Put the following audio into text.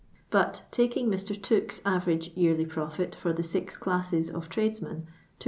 but, taking Mr. Tooke's average vearlv profit for the six classes of tradesmen, 270